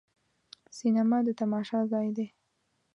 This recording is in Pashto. سینما د تماشا ځای دی.